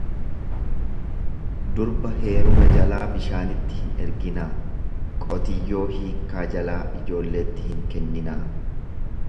Durba heeruma jalaa bishaanitti hin erginaa, qotiyyoo hiikkaa jalaa ijoolleetti hin kenninaa.